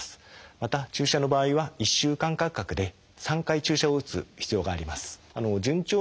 また注射の場合は１週間間隔で３回注射を打つ必要があります。